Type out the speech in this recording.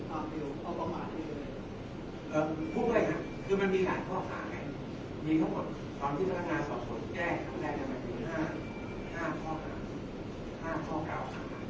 แล้วใช่ไหมก็เพื่อนไม่ได้พูดถึงตามเดียวเอาตรงหลังให้ดีกว่าไง